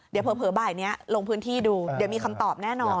เดี๋ยวเผลอบ่ายนี้ลงพื้นที่ดูเดี๋ยวมีคำตอบแน่นอน